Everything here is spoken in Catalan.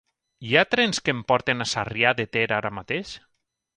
Hi ha trens que em portin a Sarrià de Ter ara mateix?